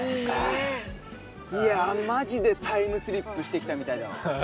いやあマジでタイムスリップしてきたみたいだわ。